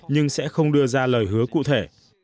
nhưng sẽ không đưa ra lời hứa cụ thể